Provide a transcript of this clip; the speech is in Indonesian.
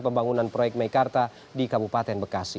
pembangunan proyek meikarta di kabupaten bekasi